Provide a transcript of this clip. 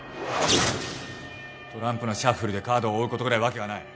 トランプのシャッフルでカードを追うことぐらい訳がない。